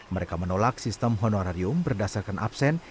mereka menolak sistem honorarium berdasarkan absen